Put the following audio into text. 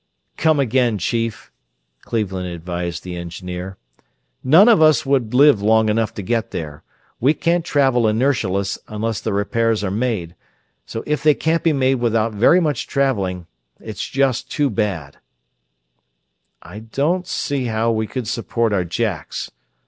"Come again, Chief!" Cleveland advised the engineer. "None of us would live long enough to get there. We can't travel inertialess until the repairs are made, so if they can't be made without very much traveling, it's just too bad." "I don't see how we could support our jacks...."